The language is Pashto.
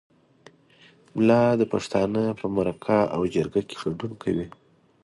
ملا د پښتانه په مرکه او جرګه کې ګډون کوي.